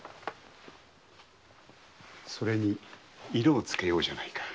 それに色をつけようじゃないか。